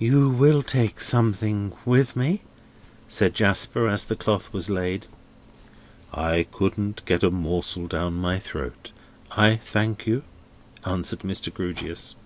"You will take something with me?" said Jasper, as the cloth was laid. "I couldn't get a morsel down my throat, I thank you," answered Mr. Grewgious.